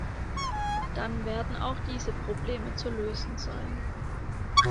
Dann werden auch diese Probleme zu lösen sein.